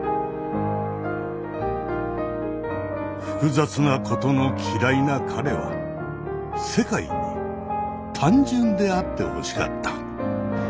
複雑なことの嫌いな彼は世界に単純であってほしかった。